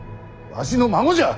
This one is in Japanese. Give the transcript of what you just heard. わしの孫じゃ！